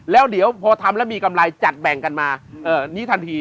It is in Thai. แล้วเดี๋ยวพอทำแล้วมีกำไรจัดแบ่งกันมานี้ทันที